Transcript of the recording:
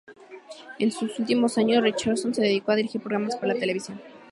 En su últimos años, Richardson se dedicó a dirigir programas para la televisión.